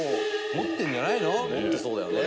持ってそうだよね。